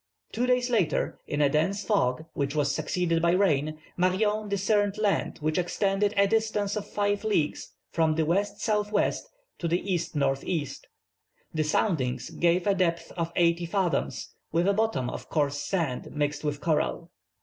Two days later, in a dense fog, which was succeeded by rain, Marion discerned land which extended a distance of five leagues from the W.S.W. to the E.N.E. The soundings gave a depth of eighty fathoms with a bottom of coarse sand mixed with coral.